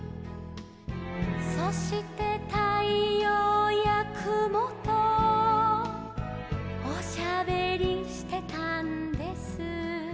「そしてたいようやくもとおしゃべりしてたんです」